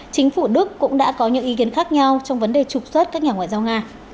chính phủ đức cũng đã có những ý kiến khác nhau trong vấn đề trục xuất các nhà ngoại giao nga